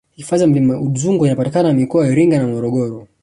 hifadhi ya milima ya udzungwa inapatikana mikoa ya iringa na morogoro